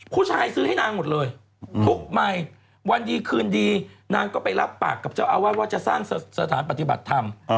ซื้อให้นางหมดเลยทุกใหม่วันดีคืนดีนางก็ไปรับปากกับเจ้าอาวาสว่าจะสร้างสถานปฏิบัติธรรม